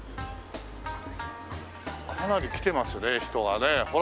かなり来てますね人がね。